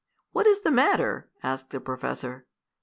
"What is the matter?" asked the professor.